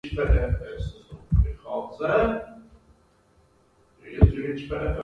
"The Dao that is called the Dao is not the eternal Dao".